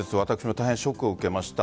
私も大変ショックを受けました。